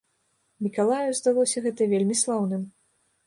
Мікалаю здалося гэта вельмі слаўным.